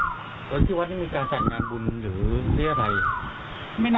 กลับมาจากบิตรศาสตร์พอดี